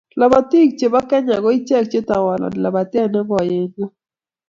Lobotii che bo Kenya ko icheek chetowolani labatee ne koi eng ngony.